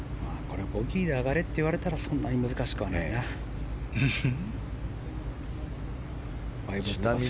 ボギーで上がれって言われたらそんなに難しくはないな。